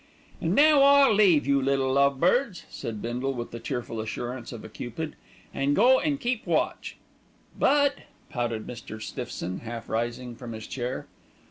"An' now I'll leave you little love birds," said Bindle with the cheerful assurance of a cupid, "an' go an' keep watch." "But " protested Mr. Stiffson, half rising from his chair.